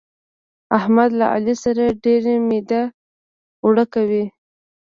احمد له علي سره ډېر ميده اوړه کوي.